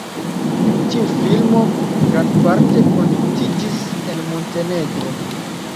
Tiu filmo grandparte produktiĝis en Montenegro.